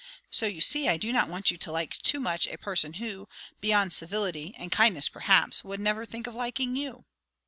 So you see I do not want you to like too much a person who, beyond civility, and kindness perhaps, would never think of liking you."